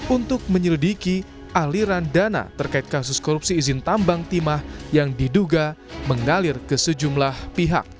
untuk menyelidiki aliran dana terkait kasus korupsi izin tambang timah yang diduga mengalir ke sejumlah pihak